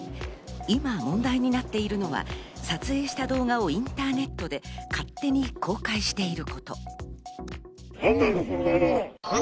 今、問題になっているのは撮影した動画をインターネットで勝手に公開していること。